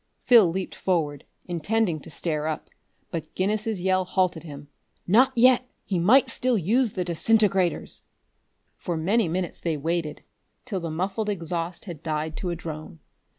Phil leaped forward, intending to stare up, but Guinness's yell halted him. "Not yet! He might still use the disintegrators!" For many minutes they waited, till the muffled exhaust had died to a drone.